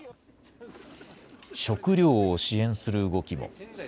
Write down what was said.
食料を支援する動きも。